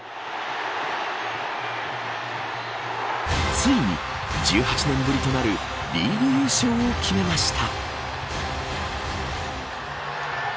ついに１８年ぶりとなるリーグ優勝を決めました。